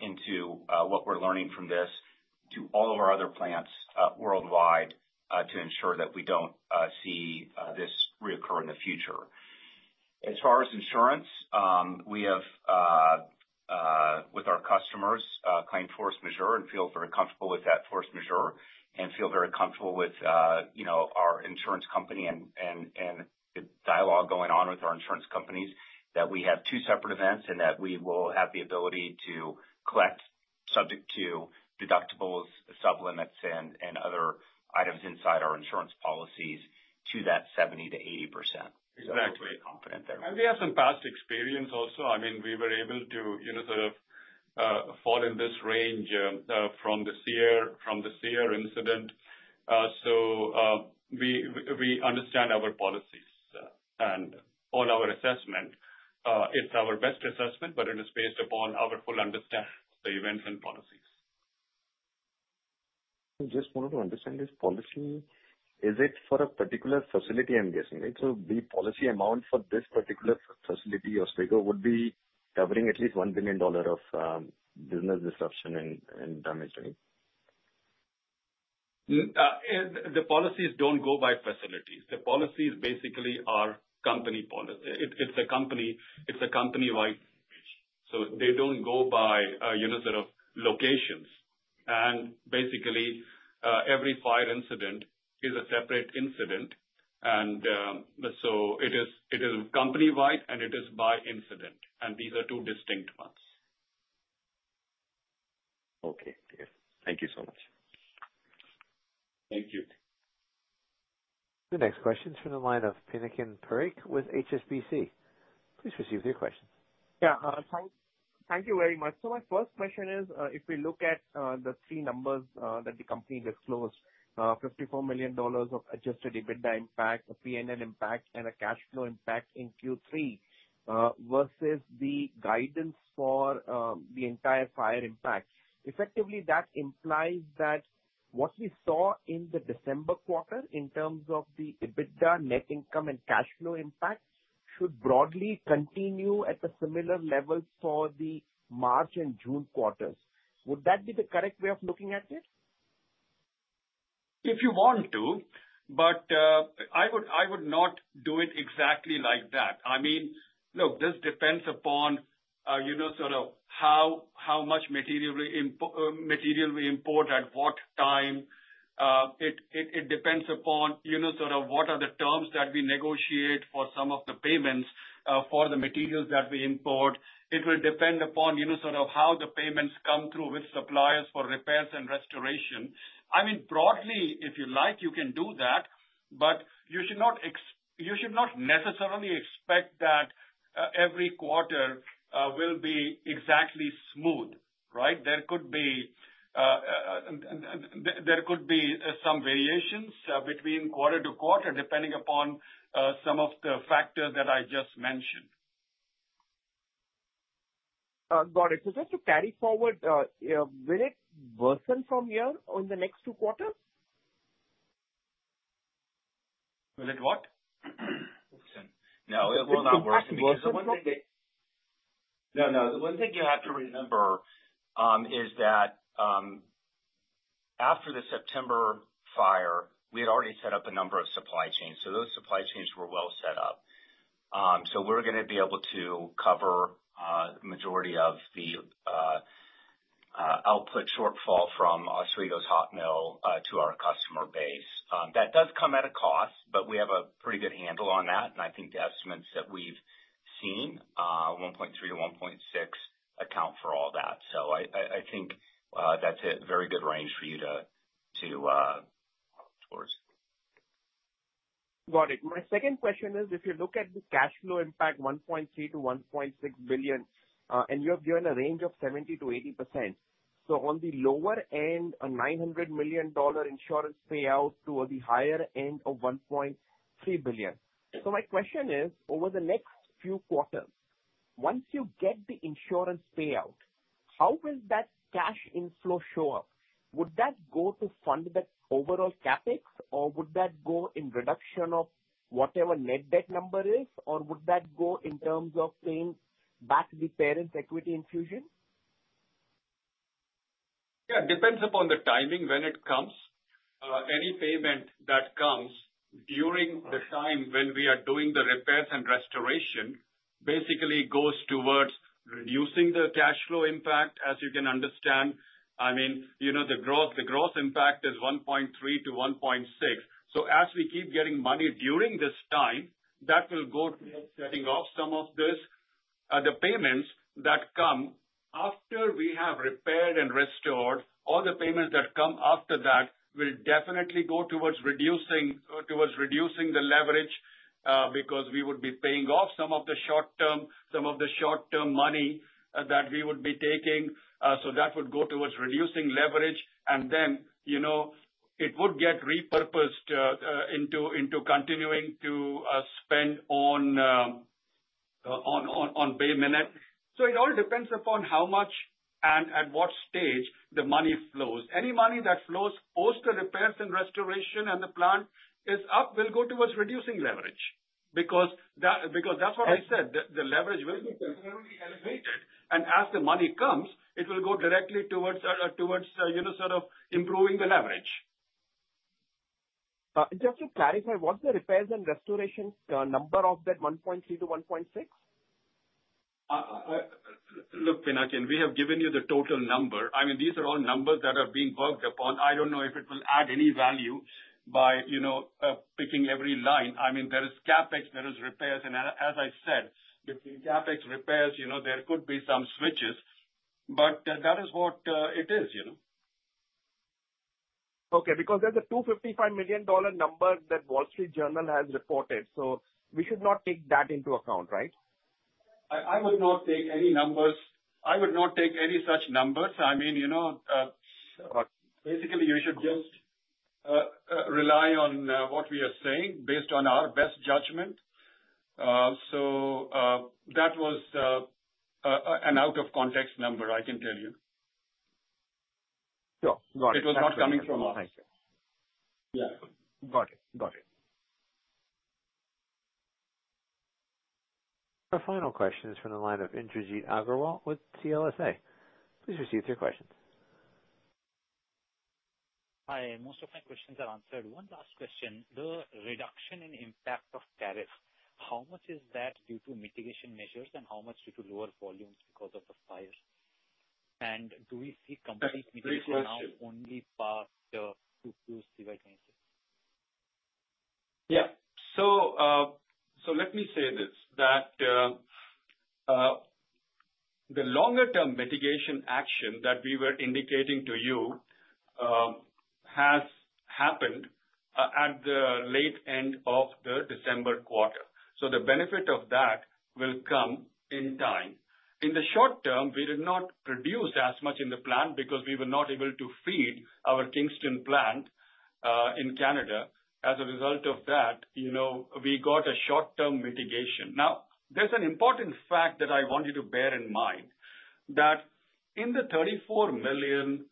into what we're learning from this to all of our other plants worldwide to ensure that we don't see this reoccur in the future. As far as insurance, we have with our customers claimed force majeure and feel very comfortable with that force majeure, you know, our insurance company and the dialogue going on with our insurance companies, that we have two separate events and that we will have the ability to collect subject to deductibles, sublimits, and other items inside our insurance policies to that 70%-80%. Exactly. We're very confident there. We have some past experience also. I mean, we were able to, you know, fall in this range from this year incident. We understand our policies and all our assessment, it's our best assessment, but it is based upon our full understand of the events and policies. I just wanted to understand this policy. Is it for a particular facility, I'm guessing, right? The policy amount for this particular facility of Pindamonhangaba would be covering at least $1 billion of business disruption and damage, right? The policies don't go by facilities. The policies basically are company policy. It's a company, it's a company-wide, so they don't go by, you know, sort of locations. Basically, every fire incident is a separate incident. So it is company-wide, and it is by incident, and these are two distinct ones. Okay. Yes. Thank you so much. Thank you. The next question is from the line of Pinakin Parekh with HSBC. Please proceed with your question. Thank you very much. My first question is, if we look at the three numbers that the company disclosed, $54 million of Adjusted EBITDA impact, a PNL impact and a cash flow impact in Q3, versus the guidance for the entire fire impact. Effectively, that implies that what we saw in the December quarter in terms of the EBITDA net income and cash flow impact, should broadly continue at a similar level for the March and June quarters. Would that be the correct way of looking at it? If you want to, but I would not do it exactly like that. I mean, look, this depends upon, you know, sort of how much material we import, at what time. It depends upon, you know, sort of what are the terms that we negotiate for some of the payments, for the materials that we import. It will depend upon, you know, sort of how the payments come through with suppliers for repairs and restoration. I mean, broadly, if you like, you can do that, but you should not necessarily expect that every quarter will be exactly smooth, right? There could be, there could be some variations between quarter to quarter, depending upon some of the factors that I just mentioned. Got it. Just to carry forward, you know, will it worsen from here on the next 2 quarters? Will it what? No, it will not worsen- Will it worsen? No, no. The one thing you have to remember is that after the September fire, we had already set up a number of supply chains, those supply chains were well set up. We're gonna be able to cover majority of the output shortfall from Pindamonhangaba Hot Mill to our customer base. That does come at a cost, but we have a pretty good handle on that, and I think the estimates that we've seen, $1.3-$1.6, account for all that. I think that's a very good range for you to of course. Got it. My second question is: if you look at the cash flow impact, $1.3 billion-$1.6 billion, and you have given a range of 70%-80%. On the lower end, a $900 million insurance payout, towards the higher end of $1.3 billion. My question is: over the next few quarters, once you get the insurance payout, how will that cash inflow show up? Would that go to fund the overall CapEx, or would that go in reduction of whatever net debt number is, or would that go in terms of saying back to the parent equity infusion? Yeah, it depends upon the timing when it comes. Any payment that comes during the time when we are doing the repairs and restoration, basically goes towards reducing the cash flow impact, as you can understand. I mean, you know, the growth impact is 1.3-1.6. As we keep getting money during this time, that will go towards paying off some of this. The payments that come after we have repaired and restored, all the payments that come after that, will definitely go towards reducing the leverage, because we would be paying off some of the short-term money that we would be taking. That would go towards reducing leverage and then, you know, it would get repurposed into continuing to spend on Bay Minette. It all depends upon how much and at what stage the money flows. Any money that flows post the repairs and restoration and the plant is up, will go towards reducing leverage, because that's what I said, the leverage will be temporarily elevated, and as the money comes, it will go directly towards, you know, sort of improving the leverage. Just to clarify, what's the repairs and restorations, number of that $1.3-$1.6? Look, Pinakin, we have given you the total number. I mean, these are all numbers that are being worked upon. I don't know if it will add any value by, you know, picking every line. I mean, there is CapEx, there is repairs, and as I said, between CapEx, repairs, you know, there could be some switches, but that is what it is, you know? Okay, because there's a $255 million number that The Wall Street Journal has reported, we should not take that into account, right? I would not take any numbers. I would not take any such numbers. I mean, you know, basically, you should just rely on what we are saying based on our best judgment. That was an out of context number, I can tell you. Sure. Got it. It was not coming from us. Thank you. Yeah. Got it. Got it. Our final question is from the line of Indrajit Agarwal with CLSA. Please proceed with your question. Hi. Most of my questions are answered. One last question. The reduction in impact of tariff, how much is that due to mitigation measures, and how much due to lower volumes because of the fires? Do we see complete- Great question. Only part, to see if I can say. Yeah. Let me say this, that the longer term mitigation action that we were indicating to you has happened at the late end of the December quarter. The benefit of that will come in time. In the short term, we did not produce as much in the plant because we were not able to feed our Kingston plant in Canada. As a result of that, you know, we got a short-term mitigation. There's an important fact that I want you to bear in mind, that in the $34 million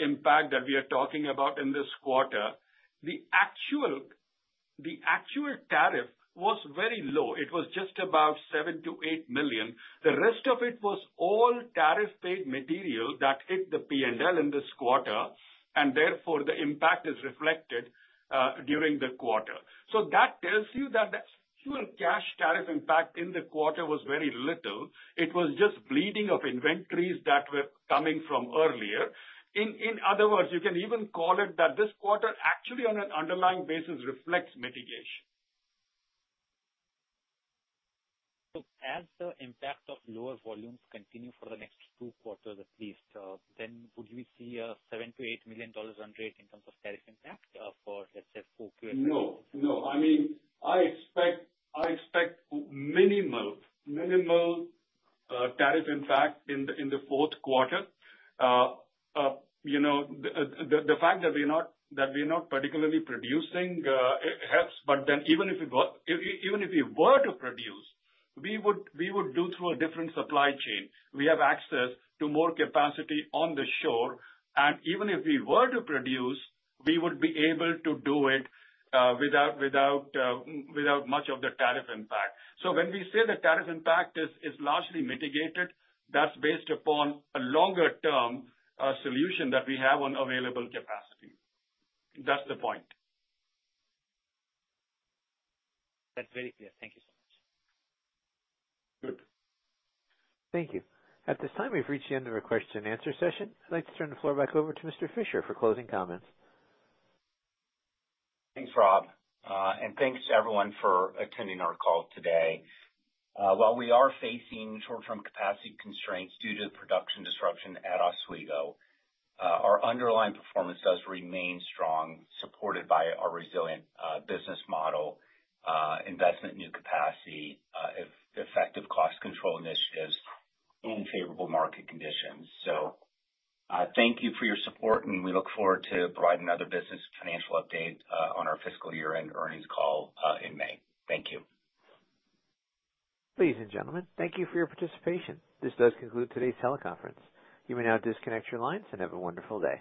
impact that we are talking about in this quarter, the actual tariff was very low. It was just about $7 million-$8 million. The rest of it was all tariff paid material that hit the PNL in this quarter, and therefore the impact is reflected during the quarter. That tells you that the actual cash tariff impact in the quarter was very little. It was just bleeding of inventories that were coming from earlier. In other words, you can even call it that this quarter, actually, on an underlying basis, reflects mitigation. As the impact of lower volumes continue for the next two quarters at least, then would we see a $7 million-$8 million run rate in terms of tariff impact, for, let's say, four quarters? No. I mean, I expect minimal tariff impact in the fourth quarter. You know, the fact that we're not particularly producing helps. Even if we were to produce, we would do through a different supply chain. We have access to more capacity on the shore. Even if we were to produce, we would be able to do it without much of the tariff impact. When we say the tariff impact is largely mitigated, that's based upon a longer term solution that we have on available capacity. That's the point. That's very clear. Thank you so much. Good. Thank you. At this time, we've reached the end of our question and answer session. I'd like to turn the floor back over to Mr. Fisher for closing comments. Thanks, Rob, and thanks to everyone for attending our call today. While we are facing short-term capacity constraints due to the production disruption at Oswego, our underlying performance does remain strong, supported by our resilient business model, investment in new capacity, effective cost control initiatives, and favorable market conditions. Thank you for your support, and we look forward to providing another business financial update on our fiscal year-end earnings call in May. Thank you. Ladies and gentlemen, thank you for your participation. This does conclude today's teleconference. You may now disconnect your lines and have a wonderful day.